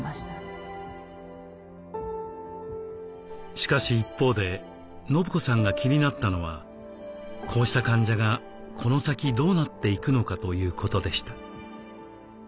しかし一方で伸子さんが気になったのはこうした患者がこの先どうなっていくのかということでした。